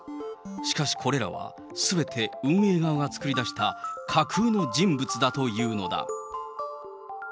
しかしこれらは、すべて運営側が作り出した架空の人物だというのだ。